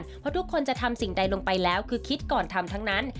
เพราะทุกคนจะทำสิ่งใดลงไปแล้วคือคิดก่อนทำทั้งนั้น